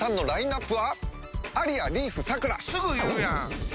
すぐ言うやん！